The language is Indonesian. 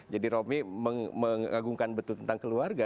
jadi romi mengagumkan betul tentang keluarga